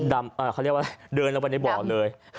เขาเรียกว่าเดินลงไปในบ่อเลย